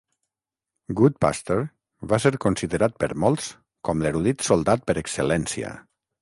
Goodpaster va ser considerat per molts com l'"erudit soldat" per excel·lència.